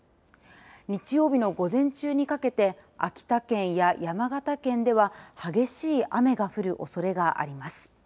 日曜日の午前中にかけて秋田県や山形県では激しい雨が降るおそれがあります。